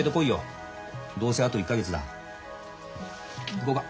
行こうか。